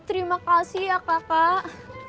terima kasih ya kakak